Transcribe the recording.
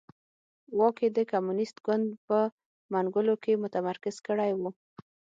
واک یې د کمونېست ګوند په منګولو کې متمرکز کړی و.